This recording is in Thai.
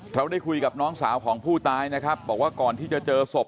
เราได้คุยกับน้องสาวของผู้ตายนะครับบอกว่าก่อนที่จะเจอศพ